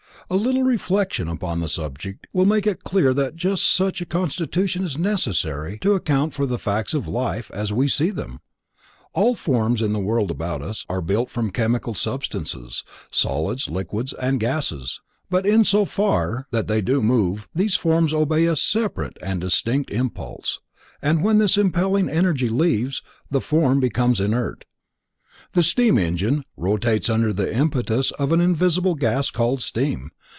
A little reflection upon the subject will make clear that just such a constitution is necessary to account for facts of life as we see them. All forms in the world about us are built from chemical substances: solids, liquids and gases, but in so far that they do move, these forms obey a separate and distinct impulse, and when this impelling energy leaves, the form becomes inert. The steam engine rotates under the impetus of an invisible gas called steam.